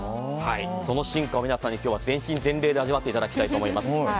その進化を皆さんには全身全霊で味わっていただきたいと思います。